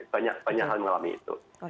banyak banyak hal mengalami itu